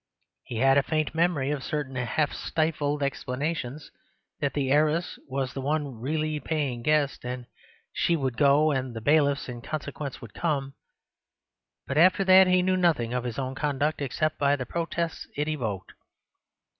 He had a faint memory of certain half stifled explanations, that the heiress was the one really paying guest, and she would go, and the bailiffs (in consequence) would come; but after that he knew nothing of his own conduct except by the protests it evoked.